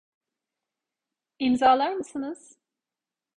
İmzalar mısınız?